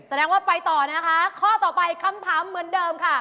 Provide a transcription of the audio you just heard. แสดงว่าไปต่อนะคะข้อต่อไปคำถามเหมือนเดิมค่ะ